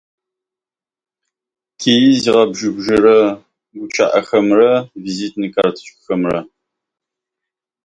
визитными карточками и разговорами, от которых в горле першило